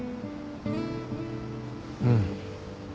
うん。